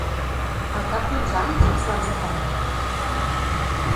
Al cap d'uns anys es van separar.